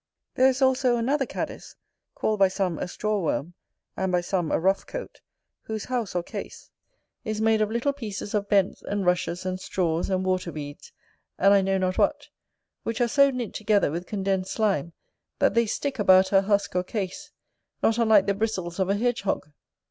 There is also another cadis, called by some a Straw worm, and by some a Ruff coat, whose house, or case, is made of little pieces of bents, and rushes, and straws, and water weeds, and I know not what; which are so knit together with condensed slime, that they stick about her husk or case, not unlike the bristles of a hedge hog.